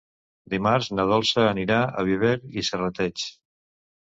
Dimarts na Dolça anirà a Viver i Serrateix.